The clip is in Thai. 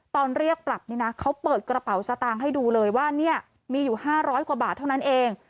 ตอนเรียกปรับนี่นะเขาเปิดกระเป๋าสตางค์ให้ดูเลยว่าเนี่ยมีอยู่๕๐๐กว่าบาทเท่านั้นเอง